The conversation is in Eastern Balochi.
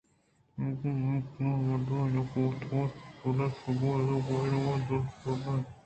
آگوں اے کہول ءِ مردماں یک بوتگ اَت بلئے شپ ءِ اد ءِ گوٛازینگ آئی ءِ دل ءَ شرّ نہ اَت